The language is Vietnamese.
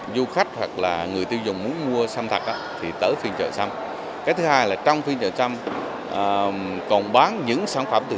vô khách hoặc người tiêu dùng muốn mua sâm thật họ đều có thể góp phần giới thiệu cây sâm và các sản phẩm sâm ngọc linh chính hiệu đến với người tiêu dùng doanh nghiệp trong và ngoài nước